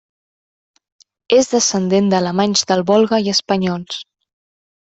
És descendent d'alemanys del Volga i espanyols.